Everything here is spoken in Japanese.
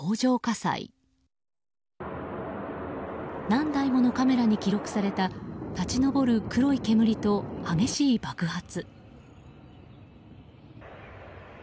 何台ものカメラに記録された立ち上る黒い煙と激しい爆発。